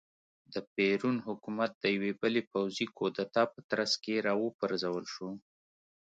د پېرون حکومت د یوې بلې پوځي کودتا په ترڅ کې را وپرځول شو.